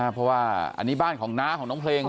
เพราะว่านี้บ้านของน้า